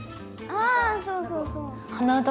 あぁそうそうそう。